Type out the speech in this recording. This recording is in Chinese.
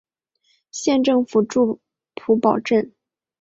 县政府驻普保镇。